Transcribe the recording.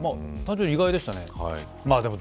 単純に意外でしたね。